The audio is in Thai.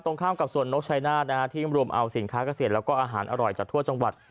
ข้ามกับส่วนนกชายนาฏนะฮะที่รวมเอาสินค้าเกษตรแล้วก็อาหารอร่อยจากทั่วจังหวัด